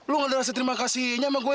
lo gak ada rasa terima kasih sama gue